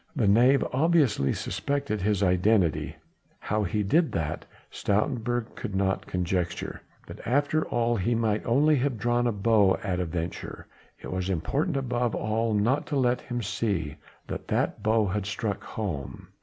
The knave obviously suspected his identity how he did that, Stoutenburg could not conjecture, but after all he might only have drawn a bow at a venture: it was important above all not to let him see that that bow had struck home.